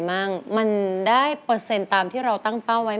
ยังเสี่ยวใจไม่เหลือเธออีก